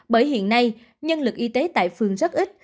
bởi hiện nay nhân lực y tế tại phường rất ít